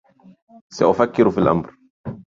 سأفكّر في الأمر.